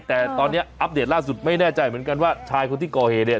แต่ตอนนี้อัปเดตล่าสุดไม่แน่ใจเหมือนกันว่าชายคนที่ก่อเหตุเนี่ย